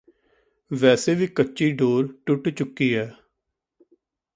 ਵੈਸੇ ਵੀ ਕੱਚੀ ਡੋਰ ਟੁੱਟ ਚੁੱਕੀ ਐ